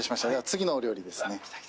次のお料理です。